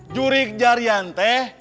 jurik jarihan teh